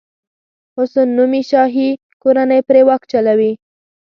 حسن نومي شاهي کورنۍ پرې واک چلوي.